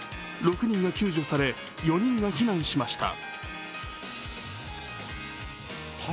６人が救助され４人が避難しました。